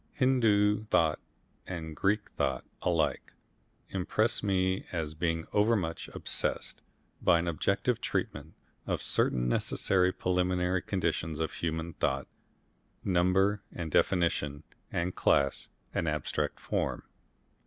Hindoo thought and Greek thought alike impress me as being overmuch obsessed by an objective treatment of certain necessary preliminary conditions of human thought number and definition and class and abstract form.